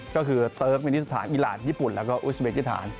ก็คือเติร์กมินิสถานอีหลานญี่ปุ่นแล้วก็อุสเบกิฐาน